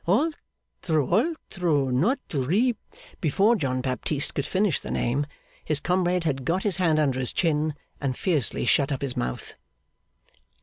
'Altro, altro! Not Ri ' Before John Baptist could finish the name, his comrade had got his hand under his chin and fiercely shut up his mouth.